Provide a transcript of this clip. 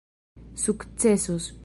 sukcesos